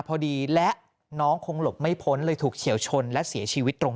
พอดีและน้องคงหลบไม่พ้นเลยถูกเฉียวชนและเสียชีวิตตรง